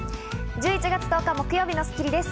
１１月１０日、木曜日の『スッキリ』です。